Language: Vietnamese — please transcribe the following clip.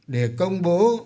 để công bố